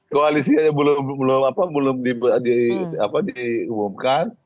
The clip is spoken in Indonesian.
koalisi aja belum diumumkan